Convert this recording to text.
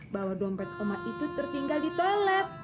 bahwa dompet oma itu tertinggal di toilet